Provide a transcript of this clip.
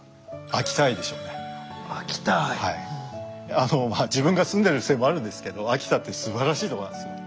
あのまあ自分が住んでるせいもあるんですけど秋田ってすばらしいとこなんですよ。